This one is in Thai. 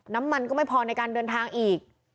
น้ำมันก็ไม่พอในการเดินทางอีก